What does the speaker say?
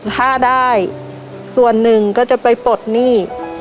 ถ้าได้ส่วนหนึ่งก็จะไปปลดหนี้